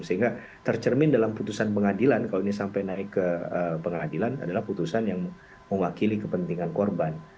sehingga tercermin dalam putusan pengadilan kalau ini sampai naik ke pengadilan adalah putusan yang mewakili kepentingan korban